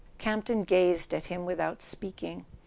.." Campton gazed at him without speaking.